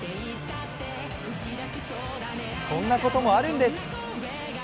こんなこともあるんです。